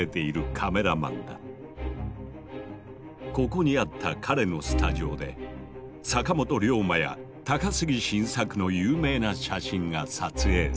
ここにあった彼のスタジオで坂本龍馬や高杉晋作の有名な写真が撮影された。